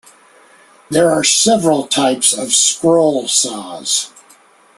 There are several types of scroll saws.